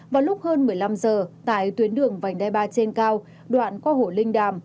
vào lúc hơn một mươi năm giờ tại tuyến đường vành đai ba trên cao đoạn qua hồ linh đàm